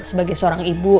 sebagai seorang ibu